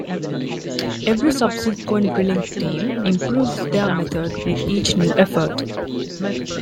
Every subsequent drilling team improves their method with each new effort.